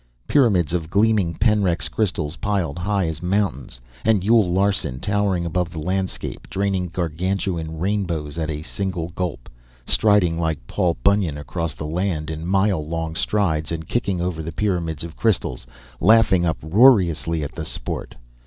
Pyramids of gleaming penryx crystals piled high as mountains, and Yule Larson towering above the landscape, draining gargantuan rainbows at a single gulp; striding like Paul Bunyan across the land in mile long strides and kicking over the pyramids of crystals, laughing uproariously at the sport.